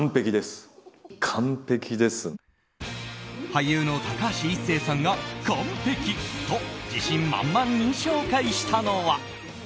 俳優の高橋一生さんが完璧と自信満々に紹介したのは。